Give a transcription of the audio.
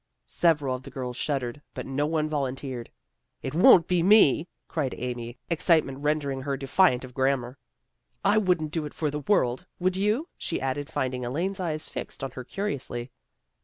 Several of the girls shuddered, but no one volunteered. " It won't be me," cried Amy, excitement rendering her defiant of grammar. " I wouldn't do it for the world; would you? " she added, finding Elaine's eyes fixed on her curiously.